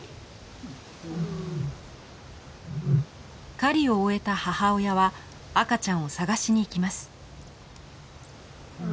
狩りを終えた母親は赤ちゃんを捜しに行きます。